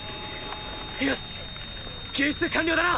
よし救出完了だな！